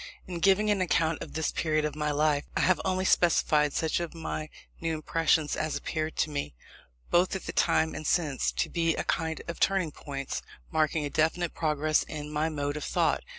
In giving an account of this period of my life, I have only specified such of my new impressions as appeared to me, both at the time and since, to be a kind of turning points, marking a definite progress in my mode of thought.